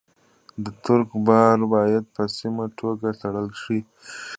د ټرک بار باید په سمه توګه تړل شي.